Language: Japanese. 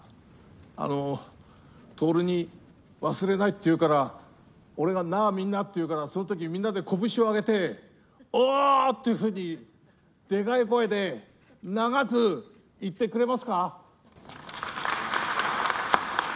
あの、徹に忘れないって言うから、俺が、なあ、みんなって言うから、そのときみんなで拳をあげて、おーっていうふうに、でかい声で長く言ってくれますか？